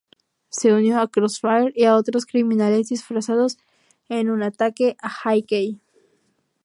Se unió a Crossfire y a otros criminales disfrazados en un ataque a Hawkeye.